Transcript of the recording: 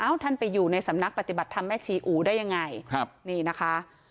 ท่านไปอยู่ในสำนักปฏิบัติธรรมแม่ชีอู๋ได้ยังไงครับนี่นะคะ